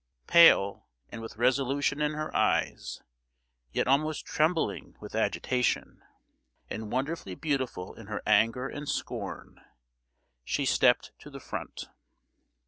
Pale, and with resolution in her eyes, yet almost trembling with agitation, and wonderfully beautiful in her anger and scorn, she stepped to the front.